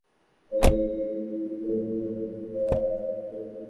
এই যে ছিটগ্রস্ত মহিলা, ঈশ্বরে আমিও বিশ্বাস করি।